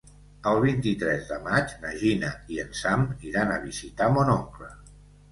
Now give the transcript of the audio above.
El vint-i-tres de maig na Gina i en Sam iran a visitar mon oncle.